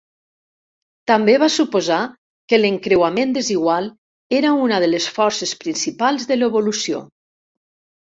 També va suposar que l'encreuament desigual era una de les forces principals de l'evolució.